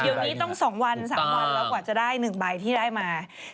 เดี๋ยวนี้ต้อง๒วัน๓วันแล้วกว่าจะได้๑ใบที่ได้มา